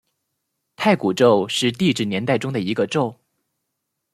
太古宙是地质年代中的一个宙。